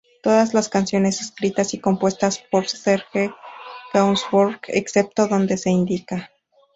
Todas las canciones escritas y compuestas por Serge Gainsbourg, excepto donde se indica.